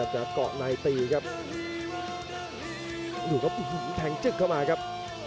ชาติตากมาจะก่อนในตีครับ